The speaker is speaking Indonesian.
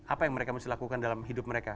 apa yang mereka mesti lakukan dalam hidup mereka